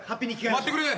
待ってくれ。